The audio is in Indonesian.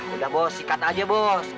udah bos ikan aja bos